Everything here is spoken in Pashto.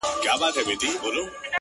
هغه د زړونو د دنـيـا لــه درده ولـوېږي،